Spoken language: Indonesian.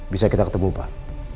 bisa kita ketemu pak